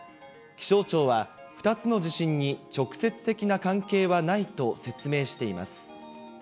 気象庁は、２つの地震に直接的な関係はないと説明しています。